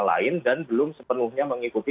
lain dan belum sepenuhnya mengikuti